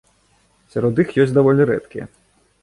Сярод іх ёсць даволі рэдкія.